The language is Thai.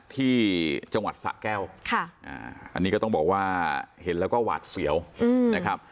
ที่จังหวัดสะแก้วอันนี้ก็ต้องบอกว่าเห็นแล้วก็หวาดเสียวนะครับ